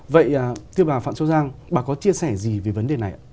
vậy thưa bà phạm xuân giang bà có chia sẻ gì về vấn đề này ạ